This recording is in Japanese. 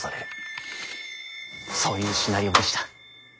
そういうシナリオでした。